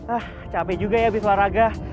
ah capek juga ya abis olahraga